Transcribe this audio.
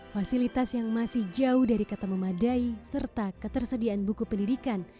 fasilitas yang masih jauh dari kata memadai serta ketersediaan buku pendidikan